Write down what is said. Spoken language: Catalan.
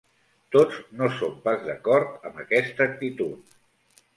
Tots no són pas d'acord amb aquesta actitud.